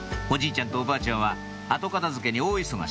ちゃんとおばあちゃんは後片付けに大忙し